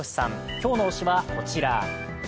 今日の推しはこちら。